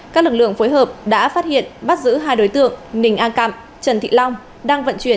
các lực lượng phối hợp đã phát hiện bắt giữ hai đối tượng ninh an cạm trần thị long đang vận chuyển